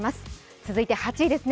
続いて８位ですね。